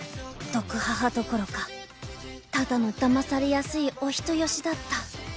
毒母どころかただのだまされやすいお人よしだったよかったですね。